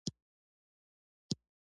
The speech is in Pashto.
آمو سیند د افغانستان د طبعي سیسټم توازن ساتي.